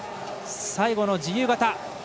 最後の自由形。